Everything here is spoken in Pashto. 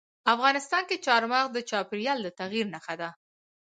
افغانستان کې چار مغز د چاپېریال د تغیر نښه ده.